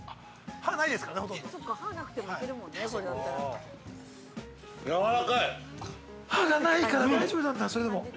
◆歯がないから、大丈夫なんだ、それでも。